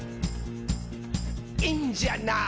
「いいんじゃない？」